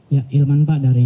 ya ilman pak dari